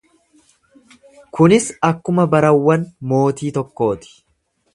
Kunis akkuma barawwan mootii tokkooti.